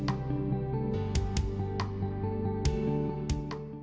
berikut adalah beberapa hal yang harus anda lakukan untuk memiliki jatah yang lebih baik